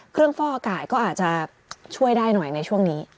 ฟ่ออากาศก็อาจจะช่วยได้หน่อยในช่วงนี้